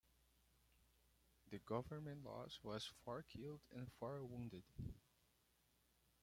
The government loss was four killed and four wounded.